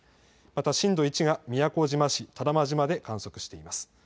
また震度１が宮古島市多良間島で観測しています。